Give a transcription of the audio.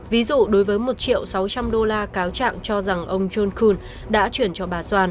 ví dụ đối với một triệu sáu trăm linh đô la cáo trạng cho rằng ông john kuhn đã chuyển cho bà soan